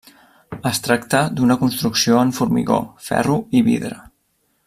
Es tracta d'una construcció en formigó, ferro i vidre.